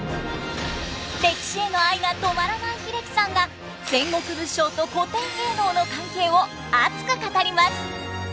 歴史への愛が止まらない英樹さんが戦国武将と古典芸能の関係を熱く語ります！